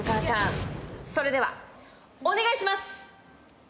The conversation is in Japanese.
それではお願いします。